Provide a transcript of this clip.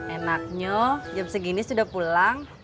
enaknya jam segini sudah pulang